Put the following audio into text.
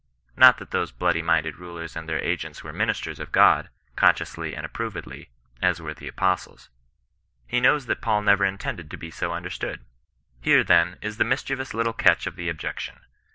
Nor that those bloody minded rulers and their agents were " ministers of God," consciously and approvedly, as were the apostles. He knows that Paul never intended to be so understood. Here, then, is the mischievous little catch of the objec tion.